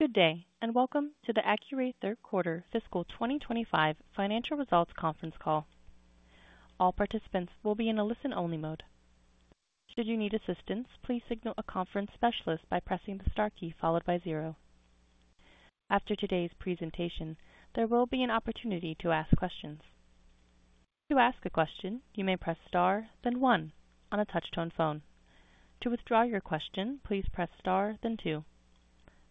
Good day, and welcome to the Accuray Third Quarter Fiscal 2025 Financial Results Conference Call. All participants will be in a listen-only mode. Should you need assistance, please signal a conference specialist by pressing the star key followed by zero. After today's presentation, there will be an opportunity to ask questions. To ask a question, you may press star, then one on a touch-tone phone. To withdraw your question, please press star, then two.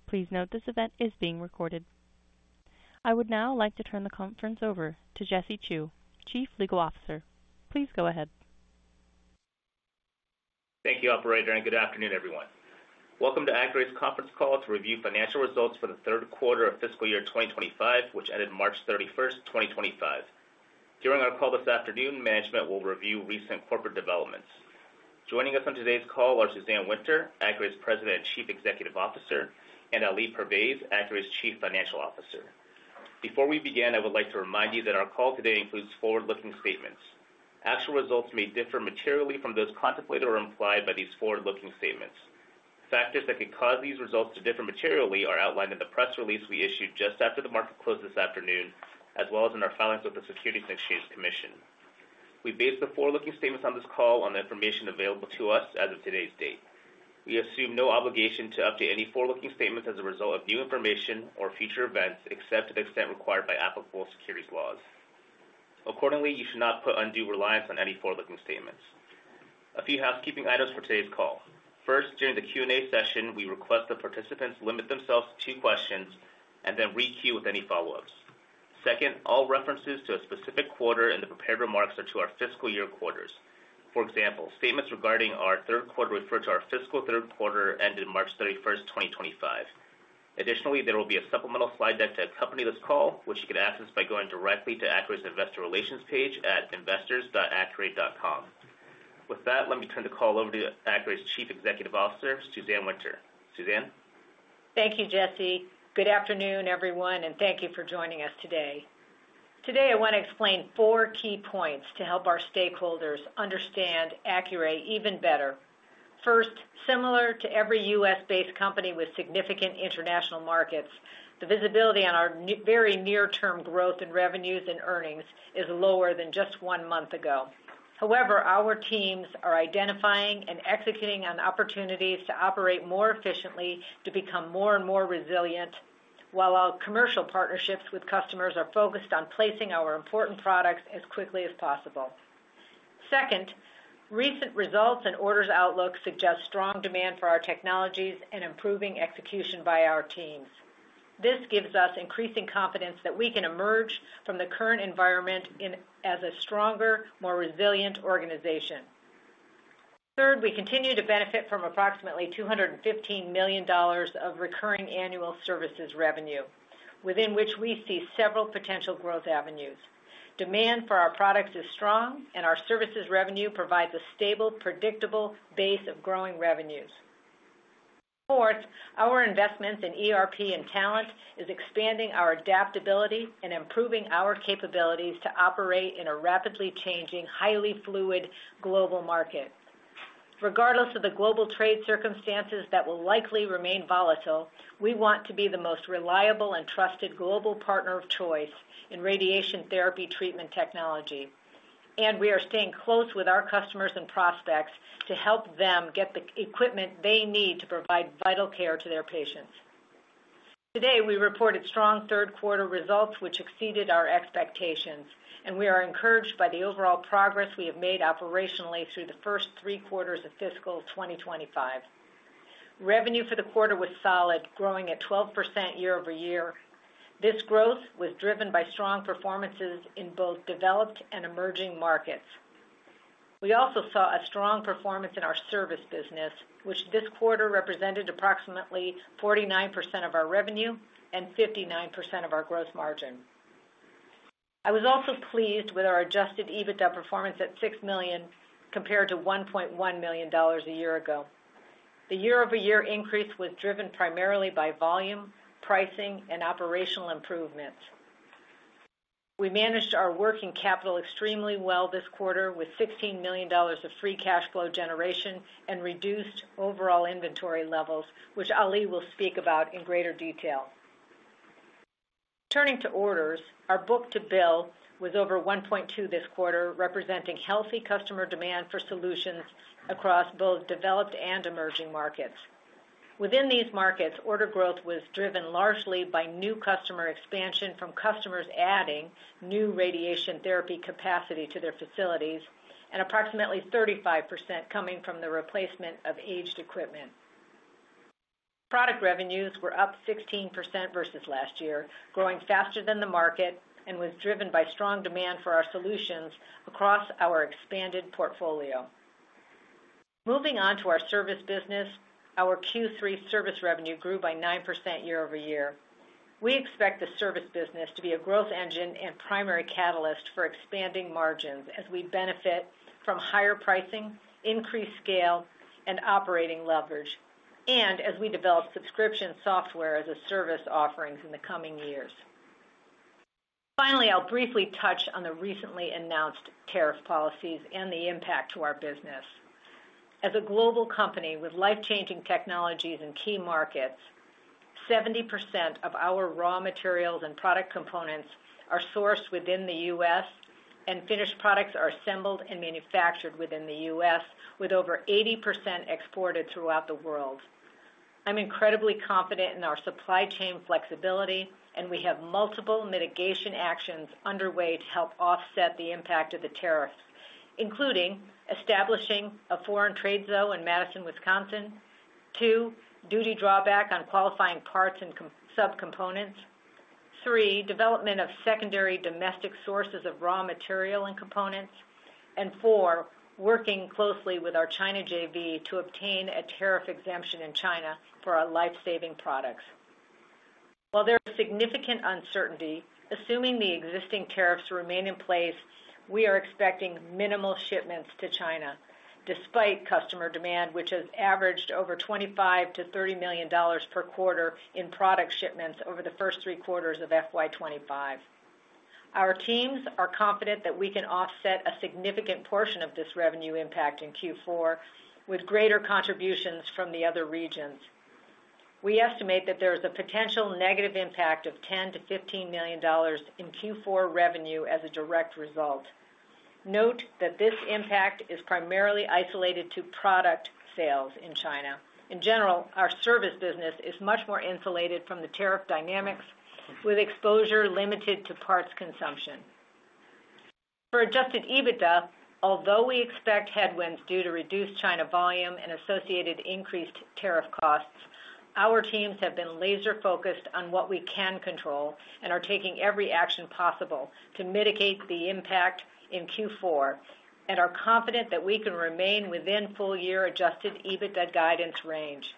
Please note this event is being recorded. I would now like to turn the conference over to Jesse Chew, Chief Legal Officer. Please go ahead. Thank you, Operator, and good afternoon, everyone. Welcome to Accuray's conference call to review financial results for the third quarter of fiscal year 2025, which ended March 31st, 2025. During our call this afternoon, management will review recent corporate developments. Joining us on today's call are Suzanne Winter, Accuray's President and Chief Executive Officer, and Ali Pervaiz, Accuray's Chief Financial Officer. Before we begin, I would like to remind you that our call today includes forward-looking statements. Actual results may differ materially from those contemplated or implied by these forward-looking statements. Factors that could cause these results to differ materially are outlined in the press release we issued just after the market closed this afternoon, as well as in our filings with the Securities and Exchange Commission. We base the forward-looking statements on this call on the information available to us as of today's date. We assume no obligation to update any forward-looking statements as a result of new information or future events, except to the extent required by applicable securities laws. Accordingly, you should not put undue reliance on any forward-looking statements. A few housekeeping items for today's call. First, during the Q&A session, we request that participants limit themselves to two questions and then re-queue with any follow-ups. Second, all references to a specific quarter in the prepared remarks are to our fiscal year quarters. For example, statements regarding our third quarter refer to our fiscal third quarter ended March 31st, 2025. Additionally, there will be a supplemental slide deck to accompany this call, which you can access by going directly to Accuray's Investor Relations page at investors.accuray.com. With that, let me turn the call over to Accuray's Chief Executive Officer, Suzanne Winter. Suzanne? Thank you, Jesse. Good afternoon, everyone, and thank you for joining us today. Today, I want to explain four key points to help our stakeholders understand Accuray even better. First, similar to every U.S.-based company with significant international markets, the visibility on our very near-term growth in revenues and earnings is lower than just one month ago. However, our teams are identifying and executing on opportunities to operate more efficiently to become more and more resilient, while our commercial partnerships with customers are focused on placing our important products as quickly as possible. Second, recent results and orders outlook suggest strong demand for our technologies and improving execution by our teams. This gives us increasing confidence that we can emerge from the current environment as a stronger, more resilient organization. Third, we continue to benefit from approximately $215 million of recurring annual services revenue, within which we see several potential growth avenues. Demand for our products is strong, and our services revenue provides a stable, predictable base of growing revenues. Fourth, our investments in ERP and talent are expanding our adaptability and improving our capabilities to operate in a rapidly changing, highly fluid global market. Regardless of the global trade circumstances that will likely remain volatile, we want to be the most reliable and trusted global partner of choice in radiation therapy treatment technology, and we are staying close with our customers and prospects to help them get the equipment they need to provide vital care to their patients. Today, we reported strong third quarter results, which exceeded our expectations, and we are encouraged by the overall progress we have made operationally through the first three quarters of fiscal 2025. Revenue for the quarter was solid, growing at 12% year-over-year. This growth was driven by strong performances in both developed and emerging markets. We also saw a strong performance in our service business, which this quarter represented approximately 49% of our revenue and 59% of our gross margin. I was also pleased with our Adjusted EBITDA performance at $6 million compared to $1.1 million a year ago. The year-over-year increase was driven primarily by volume, pricing, and operational improvements. We managed our working capital extremely well this quarter, with $16 million of free cash flow generation and reduced overall inventory levels, which Ali will speak about in greater detail. Turning to orders, our book-to-bill was over 1.2 this quarter, representing healthy customer demand for solutions across both developed and emerging markets. Within these markets, order growth was driven largely by new customer expansion from customers adding new radiation therapy capacity to their facilities, and approximately 35% coming from the replacement of aged equipment. Product revenues were up 16% versus last year, growing faster than the market, and was driven by strong demand for our solutions across our expanded portfolio. Moving on to our service business, our Q3 service revenue grew by 9% year-over-year. We expect the service business to be a growth engine and primary catalyst for expanding margins as we benefit from higher pricing, increased scale, and operating leverage, and as we develop subscription software as a service offerings in the coming years. Finally, I'll briefly touch on the recently announced tariff policies and the impact to our business. As a global company with life-changing technologies in key markets, 70% of our raw materials and product components are sourced within the U.S., and finished products are assembled and manufactured within the U.S., with over 80% exported throughout the world. I'm incredibly confident in our supply chain flexibility, and we have multiple mitigation actions underway to help offset the impact of the tariffs, including establishing a foreign trade zone in Madison, Wisconsin, two, duty drawback on qualifying parts and subcomponents, three, development of secondary domestic sources of raw material and components, and four, working closely with our China JV to obtain a tariff exemption in China for our life-saving products. While there is significant uncertainty, assuming the existing tariffs remain in place, we are expecting minimal shipments to China, despite customer demand, which has averaged over $25 million-$30 million per quarter in product shipments over the first three quarters of FY 2025. Our teams are confident that we can offset a significant portion of this revenue impact in Q4 with greater contributions from the other regions. We estimate that there is a potential negative of $10 million-$15 million in Q4 revenue as a direct result. Note that this impact is primarily isolated to product sales in China. In general, our service business is much more insulated from the tariff dynamics, with exposure limited to parts consumption. For Adjusted EBITDA, although we expect headwinds due to reduced China volume and associated increased tariff costs, our teams have been laser-focused on what we can control and are taking every action possible to mitigate the impact in Q4, and are confident that we can remain within full-year Adjusted EBITDA guidance range.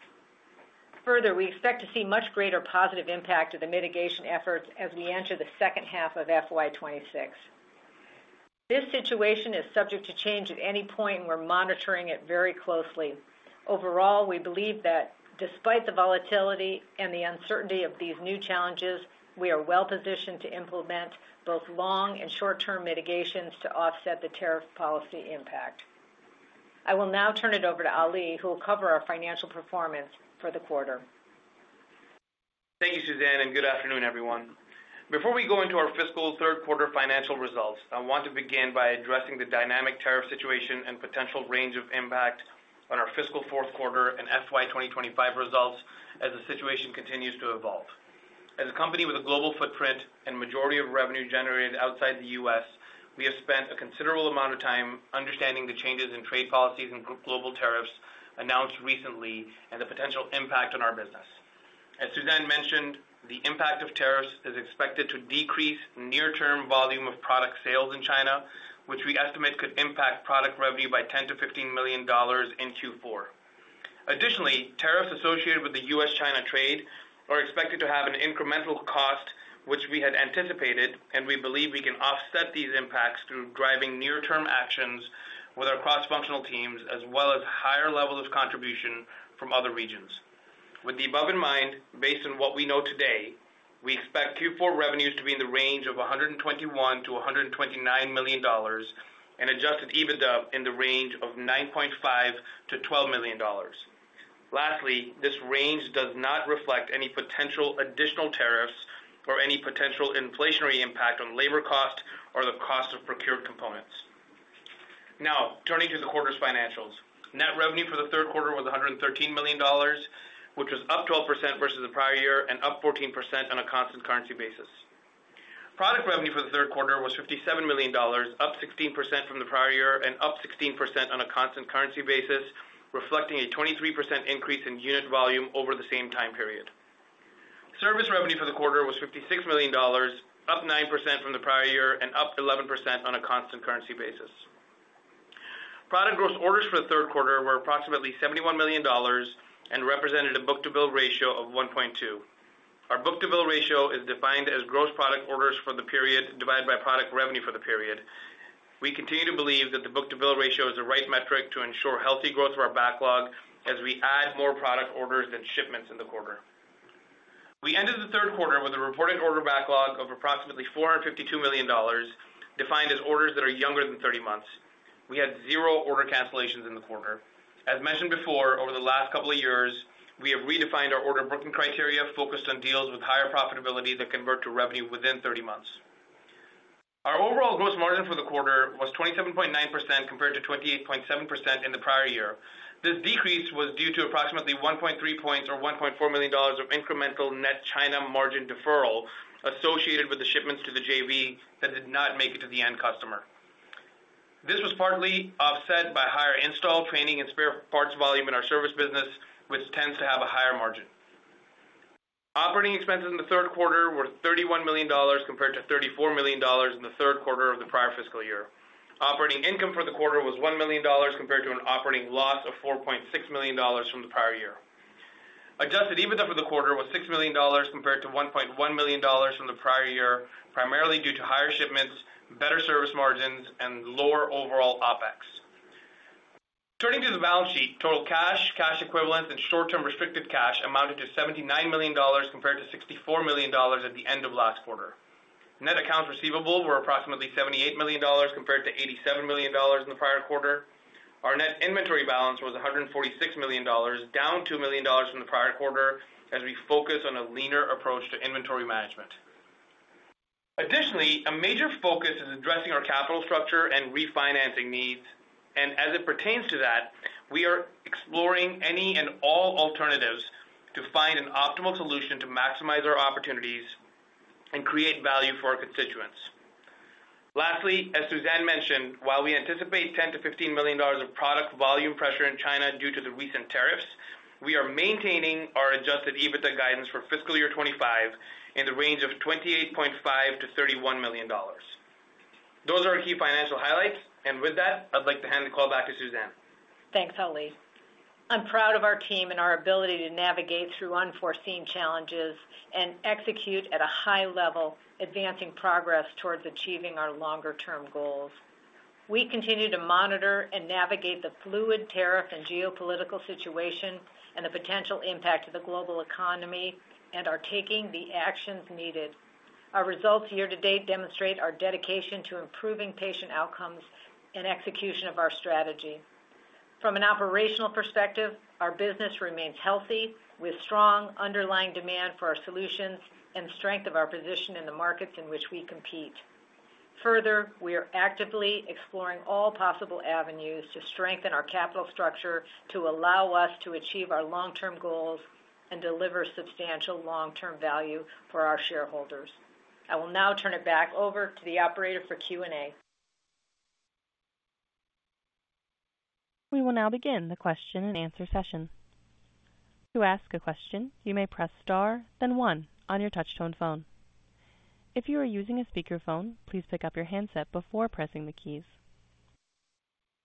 Further, we expect to see much greater positive impact of the mitigation efforts as we enter the second half of FY 2026. This situation is subject to change at any point, and we're monitoring it very closely. Overall, we believe that despite the volatility and the uncertainty of these new challenges, we are well-positioned to implement both long and short-term mitigations to offset the tariff policy impact. I will now turn it over to Ali, who will cover our financial performance for the quarter. Thank you, Suzanne, and good afternoon, everyone. Before we go into our fiscal third quarter financial results, I want to begin by addressing the dynamic tariff situation and potential range of impact on our fiscal fourth quarter and FY 2025 results as the situation continues to evolve. As a company with a global footprint and majority of revenue generated outside the U.S., we have spent a considerable amount of time understanding the changes in trade policies and global tariffs announced recently and the potential impact on our business. As Suzanne mentioned, the impact of tariffs is expected to decrease near-term volume of product sales in China, which we estimate could impact product revenue by $10million-$15 million in Q4. Additionally, tariffs associated with the U.S.-China trade are expected to have an incremental cost, which we had anticipated, and we believe we can offset these impacts through driving near-term actions with our cross-functional teams, as well as higher levels of contribution from other regions. With the above in mind, based on what we know today, we expect Q4 revenues to be in the range of $121 million-$129 million and Adjusted EBITDA in the range of $9.5 million-$12 million. Lastly, this range does not reflect any potential additional tariffs or any potential inflationary impact on labor cost or the cost of procured components. Now, turning to the quarter's financials, net revenue for the third quarter was $113 million, which was up 12% versus the prior year and up 14% on a constant currency basis. Product revenue for the third quarter was $57 million, up 16% from the prior year and up 16% on a constant currency basis, reflecting a 23% increase in unit volume over the same time period. Service revenue for the quarter was $56 million, up 9% from the prior year and up 11% on a constant currency basis. Product gross orders for the third quarter were approximately $71 million and represented a book-to-bill ratio of 1.2. Our book-to-bill ratio is defined as gross product orders for the period divided by product revenue for the period. We continue to believe that the book-to-bill ratio is the right metric to ensure healthy growth of our backlog as we add more product orders than shipments in the quarter. We ended the third quarter with a reported order backlog of approximately $452 million, defined as orders that are younger than 30 months. We had zero order cancellations in the quarter. As mentioned before, over the last couple of years, we have redefined our order booking criteria focused on deals with higher profitability that convert to revenue within 30 months. Our overall gross margin for the quarter was 27.9% compared to 28.7% in the prior year. This decrease was due to approximately 1.3 points or $1.4 million of incremental net China margin deferral associated with the shipments to the JV that did not make it to the end customer. This was partly offset by higher install, training, and spare parts volume in our service business, which tends to have a higher margin. Operating expenses in the third quarter were $31 million compared to $34 million in the third quarter of the prior fiscal year. Operating income for the quarter was $1 million compared to an operating loss of $4.6 million from the prior year. Adjusted EBITDA for the quarter was $6 million compared to $1.1 million from the prior year, primarily due to higher shipments, better service margins, and lower overall OPEX. Turning to the balance sheet, total cash, cash equivalents, and short-term restricted cash amounted to $79 million compared to $64 million at the end of last quarter. Net accounts receivable were approximately $78 million compared to $87 million in the prior quarter. Our net inventory balance was $146 million, down $2 million from the prior quarter, as we focus on a leaner approach to inventory management. Additionally, a major focus is addressing our capital structure and refinancing needs, and as it pertains to that, we are exploring any and all alternatives to find an optimal solution to maximize our opportunities and create value for our constituents. Lastly, as Suzanne mentioned, while we anticipate $10 million-$15 million of product volume pressure in China due to the recent tariffs, we are maintaining our Adjusted EBITDA guidance for fiscal year 2025 in the range of $28.5 million-$31 million. Those are our key financial highlights, and with that, I'd like to hand the call back to Suzanne. Thanks, Ali. I'm proud of our team and our ability to navigate through unforeseen challenges and execute at a high level, advancing progress towards achieving our longer-term goals. We continue to monitor and navigate the fluid tariff and geopolitical situation and the potential impact of the global economy and are taking the actions needed. Our results year to date demonstrate our dedication to improving patient outcomes and execution of our strategy. From an operational perspective, our business remains healthy, with strong underlying demand for our solutions and strength of our position in the markets in which we compete. Further, we are actively exploring all possible avenues to strengthen our capital structure to allow us to achieve our long-term goals and deliver substantial long-term value for our shareholders. I will now turn it back over to the operator for Q&A. We will now begin the question-and-answer session. To ask a question, you may press star, then one on your touch-tone phone. If you are using a speakerphone, please pick up your handset before pressing the keys.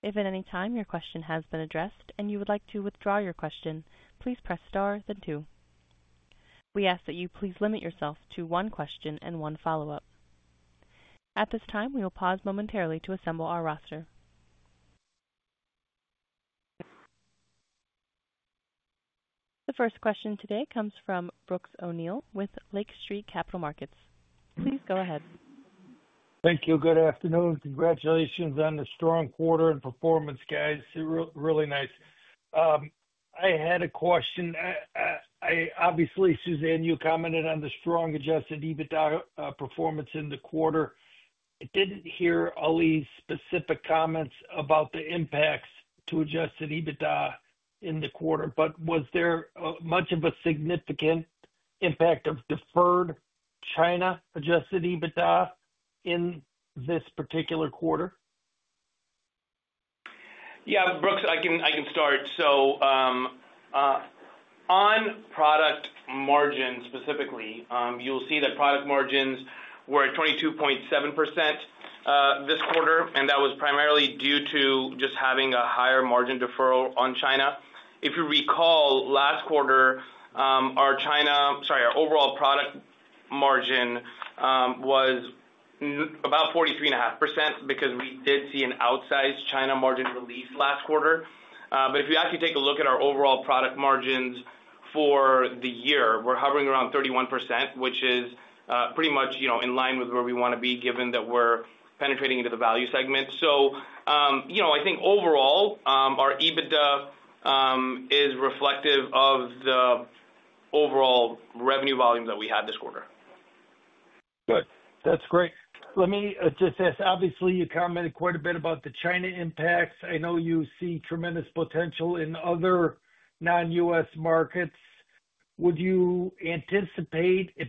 If at any time your question has been addressed and you would like to withdraw your question, please press star, then two. We ask that you please limit yourself to one question and one follow-up. At this time, we will pause momentarily to assemble our roster. The first question today comes from Brooks O'Neil with Lake Street Capital Markets. Please go ahead. Thank you. Good afternoon. Congratulations on a strong quarter and performance, guys. Really nice. I had a question. Obviously, Suzanne, you commented on the strong Adjusted EBITDA performance in the quarter. I did not hear Ali's specific comments about the impacts to Adjusted EBITDA in the quarter, but was there much of a significant impact of deferred China Adjusted EBITDA in this particular quarter? Yeah, Brooks, I can start. On product margin specifically, you'll see that product margins were at 22.7% this quarter, and that was primarily due to just having a higher margin deferral on China. If you recall, last quarter, our overall product margin was about 43.5% because we did see an outsized China margin release last quarter. If you actually take a look at our overall product margins for the year, we're hovering around 31%, which is pretty much in line with where we want to be given that we're penetrating into the value segment. I think overall, our EBITDA is reflective of the overall revenue volume that we had this quarter. Good. That's great. Let me just ask. Obviously, you commented quite a bit about the China impacts. I know you see tremendous potential in other non-U.S. markets. Would you anticipate as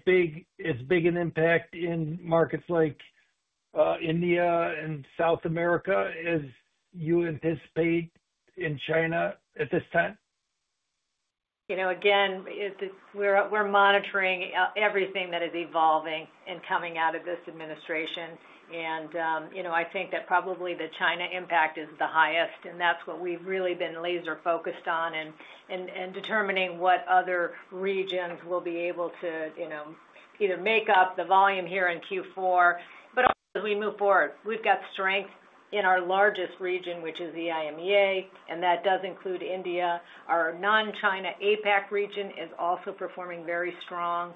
big an impact in markets like India and South America as you anticipate in China at this time? Again, we're monitoring everything that is evolving and coming out of this administration. I think that probably the China impact is the highest, and that's what we've really been laser-focused on and determining what other regions will be able to either make up the volume here in Q4. As we move forward, we've got strength in our largest region, which is the EIMEA, and that does include India. Our non-China APAC region is also performing very strong.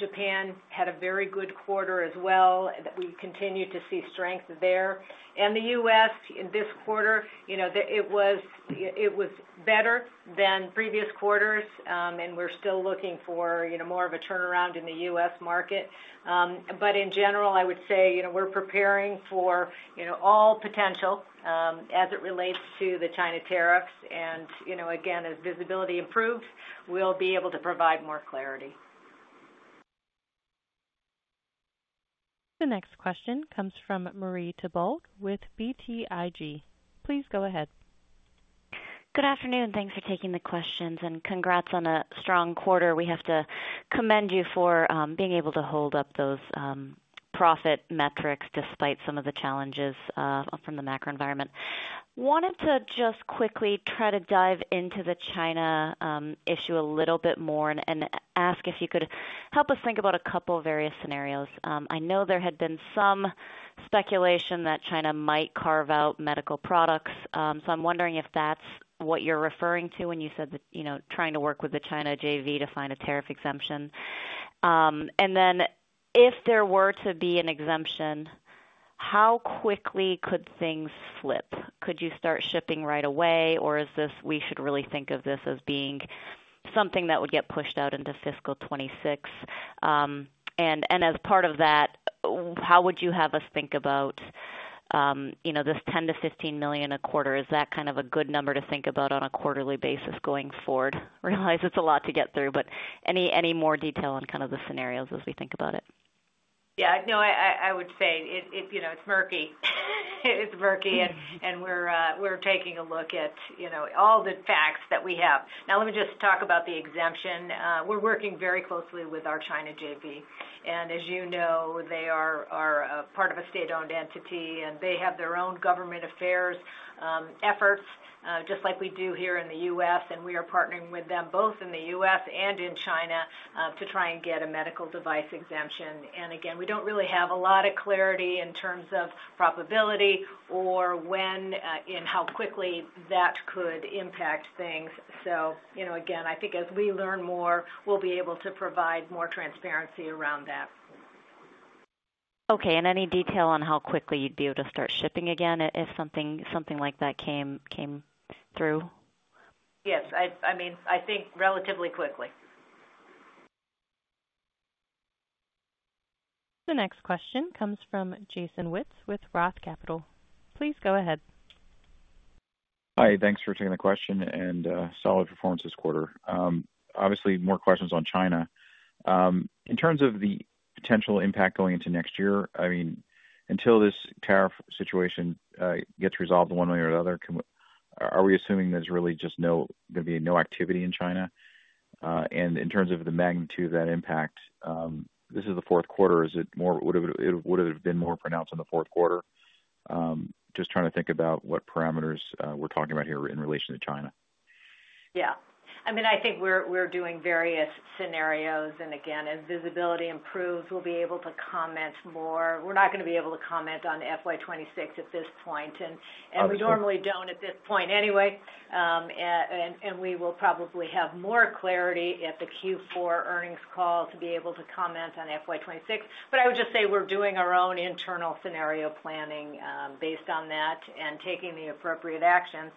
Japan had a very good quarter as well. We continue to see strength there. The U.S. in this quarter, it was better than previous quarters, and we're still looking for more of a turnaround in the U.S. market. In general, I would say we're preparing for all potential as it relates to the China tariffs. As visibility improves, we'll be able to provide more clarity. The next question comes from Marie Thibault with BTIG. Please go ahead. Good afternoon, and thanks for taking the questions, and congrats on a strong quarter. We have to commend you for being able to hold up those profit metrics despite some of the challenges from the macro environment. Wanted to just quickly try to dive into the China issue a little bit more and ask if you could help us think about a couple of various scenarios. I know there had been some speculation that China might carve out medical products, so I'm wondering if that's what you're referring to when you said trying to work with the China JV to find a tariff exemption. If there were to be an exemption, how quickly could things flip? Could you start shipping right away, or is this we should really think of this as being something that would get pushed out into fiscal 2026? As part of that, how would you have us think about this $10 million-$15 million a quarter? Is that kind of a good number to think about on a quarterly basis going forward? Realize it's a lot to get through, but any more detail on kind of the scenarios as we think about it? Yeah, no, I would say it's murky. It's murky, and we're taking a look at all the facts that we have. Now, let me just talk about the exemption. We're working very closely with our China JV, and as you know, they are part of a state-owned entity, and they have their own government affairs efforts, just like we do here in the U.S., and we are partnering with them both in the U.S. and in China to try and get a medical device exemption. Again, we don't really have a lot of clarity in terms of probability or when and how quickly that could impact things. I think as we learn more, we'll be able to provide more transparency around that. Okay. Any detail on how quickly you'd be able to start shipping again if something like that came through? Yes. I mean, I think relatively quickly. The next question comes from Jason Wittes with Roth Capital. Please go ahead. Hi. Thanks for taking the question and solid performance this quarter. Obviously, more questions on China. In terms of the potential impact going into next year, I mean, until this tariff situation gets resolved one way or the other, are we assuming there's really just going to be no activity in China? In terms of the magnitude of that impact, this is the fourth quarter. Would it have been more pronounced in the fourth quarter? Just trying to think about what parameters we're talking about here in relation to China. Yeah. I mean, I think we're doing various scenarios, and again, as visibility improves, we'll be able to comment more. We're not going to be able to comment on FY 2026 at this point, and we normally don't at this point anyway. We will probably have more clarity at the Q4 earnings call to be able to comment on FY 2026. I would just say we're doing our own internal scenario planning based on that and taking the appropriate actions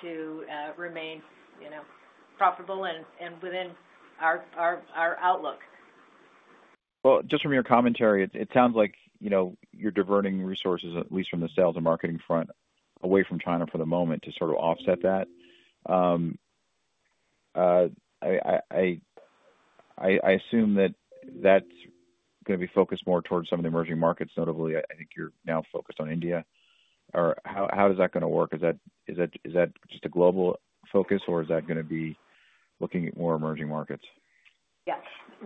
to remain profitable and within our outlook. Just from your commentary, it sounds like you're diverting resources, at least from the sales and marketing front, away from China for the moment to sort of offset that. I assume that that's going to be focused more towards some of the emerging markets. Notably, I think you're now focused on India. How is that going to work? Is that just a global focus, or is that going to be looking at more emerging markets? Yeah.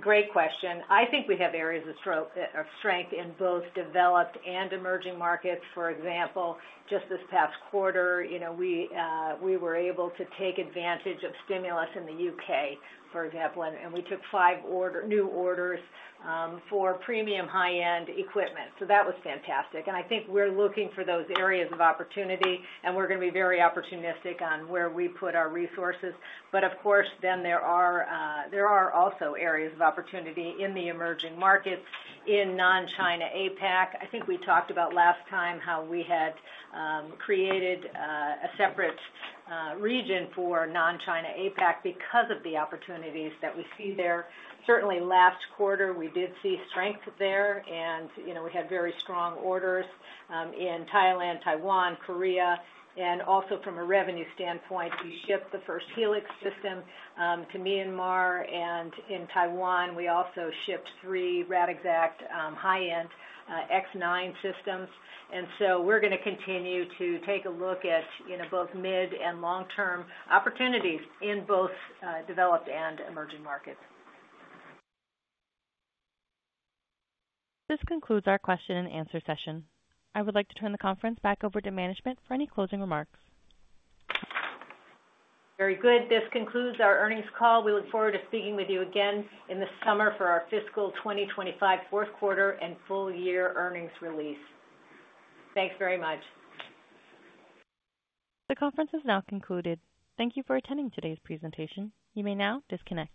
Great question. I think we have areas of strength in both developed and emerging markets. For example, just this past quarter, we were able to take advantage of stimulus in the U.K., for example, and we took five new orders for premium high-end equipment. That was fantastic. I think we're looking for those areas of opportunity, and we're going to be very opportunistic on where we put our resources. Of course, there are also areas of opportunity in the emerging markets in non-China APAC. I think we talked about last time how we had created a separate region for non-China APAC because of the opportunities that we see there. Certainly, last quarter, we did see strength there, and we had very strong orders in Thailand, Taiwan, Korea, and also from a revenue standpoint, we shipped the first Helix system to Myanmar. In Taiwan, we also shipped three Radixact high-end X9 systems. We are going to continue to take a look at both mid and long-term opportunities in both developed and emerging markets. This concludes our question and answer session. I would like to turn the conference back over to management for any closing remarks. Very good. This concludes our earnings call. We look forward to speaking with you again in the summer for our fiscal 2025 fourth quarter and full year earnings release. Thanks very much. The conference is now concluded. Thank you for attending today's presentation. You may now disconnect.